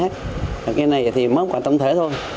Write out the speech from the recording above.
cái này thì mất khoảng tổng thể thôi